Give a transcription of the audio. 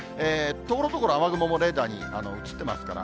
ところどころ雨雲レーダーに映ってますから。